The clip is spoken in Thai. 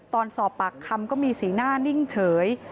ตอนสอบปากคำก็มีสีหน้านิ่งเฉย